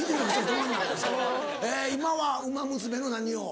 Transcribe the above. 今は『ウマ娘』の何を？